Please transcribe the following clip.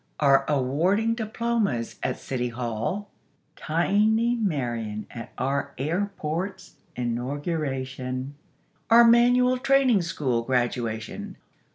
Our awarding diplomas at City Hall; tiny Marian at our airport's inauguration; our Manual Training School graduation.